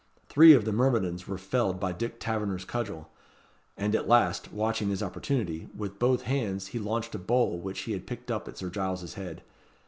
Three of the myrmidons were felled by Dick Taverner's cudgel; and at last, watching his opportunity, with both hands he launched a bowl which he had picked up at Sir Giles's head.